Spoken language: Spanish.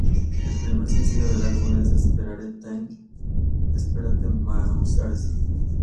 El primer sencillo del álbum es "Desperate Times, Desperate Measures".